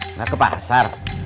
enggak ke pasar